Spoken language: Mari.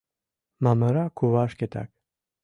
Мамыра кува шкетак.